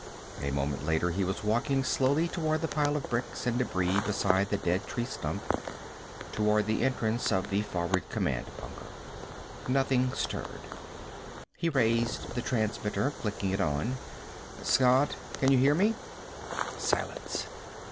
A moment later he was walking slowly toward the pile of bricks and debris beside the dead tree stump. Toward the entrance of the forward command bunker. Nothing stirred. He raised the transmitter, clicking it on. "Scott? Can you hear me?" Silence.